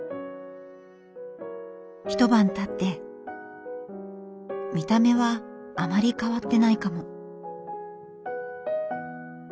１晩たって見た目はあまり変わってないかも。